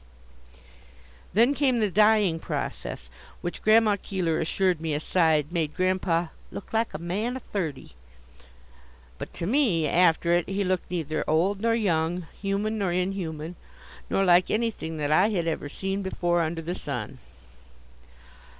Then came the dyeing process, which Grandma Keeler assured me, aside, made Grandpa "look like a man o' thirty;" but to me, after it he looked neither old nor young, human nor inhuman, nor like anything that I had ever seen before under the sun.